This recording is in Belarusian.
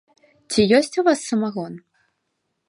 Ці ёсць у вас самагон?